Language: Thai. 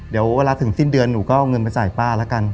เดี๋ยวเวลาถึงสิ้นเดือนหนูก็เอาเงินไปจ่ายป้าแล้วกัน